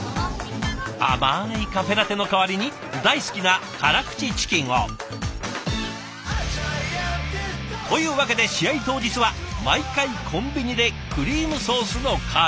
甘いカフェラテの代わりに大好きな辛口チキンを。というわけで試合当日は毎回コンビニでクリームソースのカルボナーラ。